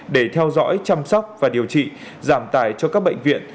để theo dõi chăm sóc và điều trị giảm tài cho các bệnh viện